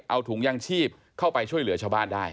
เอาถุงยางชีพเข้าไปช่วยเหลือชาวบ้านได้